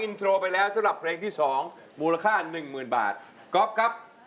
เวลาเพราะไปแล้วสำหรับเพลงที่สองพูดละค่าหนึ่งหมื่นบาทกรอบครับ